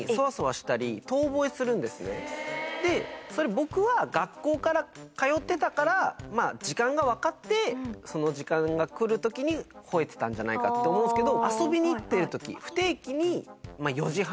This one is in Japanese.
僕は学校から通ってたから時間が分かってその時間が来る時に吠えてたんじゃないかって思うんですけど。